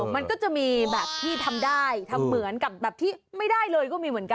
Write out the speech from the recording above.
มันก็จะมีแบบที่ทำได้ทำเหมือนกับแบบที่ไม่ได้เลยก็มีเหมือนกัน